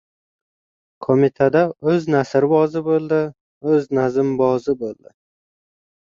Qo‘mitada o‘z nasrbozi bo‘ldi, o‘z nazmbozi bo‘ldi.